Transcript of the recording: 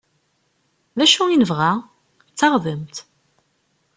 D acu i nebɣa? D taɣdemt!